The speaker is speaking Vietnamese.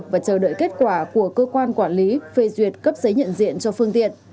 và chờ đợi kết quả của cơ quan quản lý phê duyệt cấp giấy nhận diện cho phương tiện